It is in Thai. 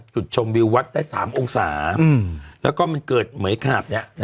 จุดชมวิววัดได้๓องศาแล้วก็มันเกิดเหมือยขาบเนี่ย